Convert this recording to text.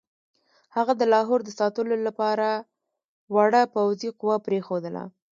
هغه د لاهور د ساتلو لپاره وړه پوځي قوه پرېښودله.